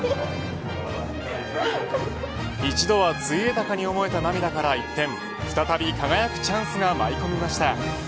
一度はついえたかに思えた涙から一転再び輝くチャンスが舞い込みました。